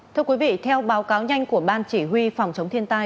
thưa quý vị theo báo cáo nhanh của ban chỉ huy phòng chống thiên tai